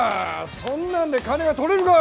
そんなんで金が取れるか。